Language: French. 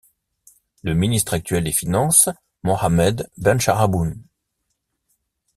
Le ministre actuel des Finances Mohamed Benchaâboun.